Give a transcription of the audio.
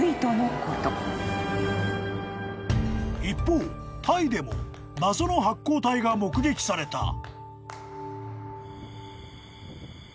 ［一方タイでも謎の発光体が目撃された］